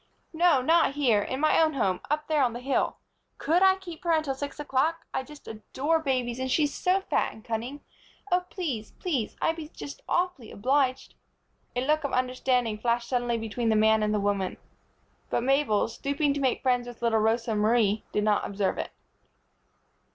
"No, not here. In my own home up there, on the hill. Could I keep her until six o'clock? I just adore babies, and she's so fat and cunning! Oh, please, please! I'd be just awfully obliged." A look of understanding flashed suddenly between the man and the woman; but Mabel, stooping to make friends with little Rosa Marie, did not observe it.